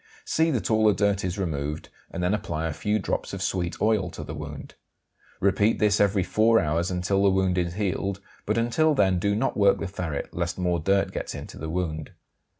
See that all the dirt is removed, and then apply a few drops of sweet oil to the wound. Repeat this every four hours, until the wound is healed, but until then do not work the ferret lest more dirt gets into the wound.